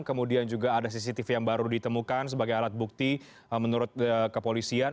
kemudian juga ada cctv yang baru ditemukan sebagai alat bukti menurut kepolisian